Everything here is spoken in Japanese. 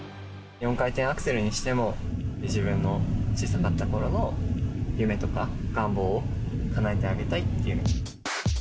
４回転アクセルにしても、自分の小さかったころの夢とか願望をかなえてあげたいって。